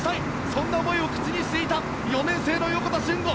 そんな思いを口にしていた４年生の横田俊吾。